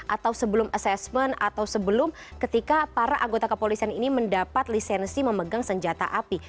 atau sebelum assessment atau sebelum ketika para anggota kepolisian ini mendapat lisensi memegang senjata api